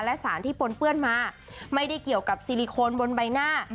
และสารที่ปนเปื้อนมาไม่ได้เกี่ยวกับซิลิโคนบนใบหน้า